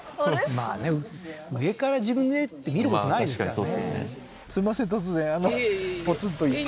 まあね上から自分の家って見ることないですからね